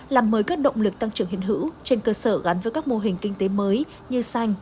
làm mới các động lực tăng trưởng hiện hữu trên cơ sở gắn với các mô hình kinh tế mới như xanh